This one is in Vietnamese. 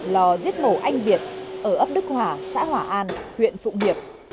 lò giết mộ anh việt ở ấp đức hòa xã hòa an huyện phụng hiệp